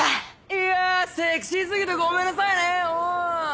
いやセクシー過ぎてごめんなさいねうん！